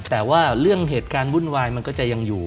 แต่ว่าเรื่องเหตุการณ์วุ่นวายมันก็จะยังอยู่